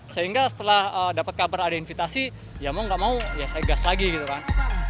sehingga setelah dapat kabar ada invitasi ya mau nggak mau ya saya gas lagi gitu kan